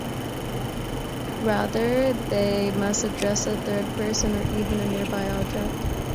Rather, they must address a third person or even a nearby object.